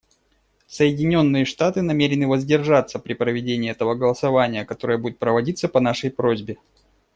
Соединенные Штаты намерены воздержаться при проведении этого голосования, которое будет проводиться по нашей просьбе.